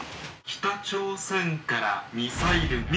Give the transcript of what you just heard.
「北朝鮮からミサイルが」